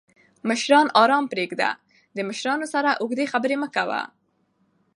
مشران آرام پریږده! د مشرانو سره اوږدې خبرې مه کوه